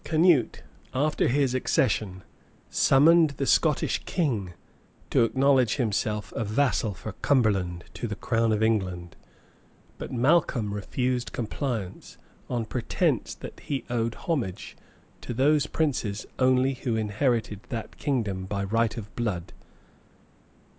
Canute, after his accession, summoned the Scottish king to acknowledge himself a vassal for Cumberland to the crown of England; but Malcolm refused compliance, on pretence that he owed homage to those princes only who inherited that kingdom by right of blood.